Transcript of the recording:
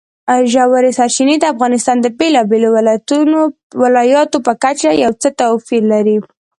ژورې سرچینې د افغانستان د بېلابېلو ولایاتو په کچه یو څه توپیر لري.